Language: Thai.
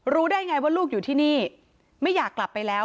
ได้ไงว่าลูกอยู่ที่นี่ไม่อยากกลับไปแล้ว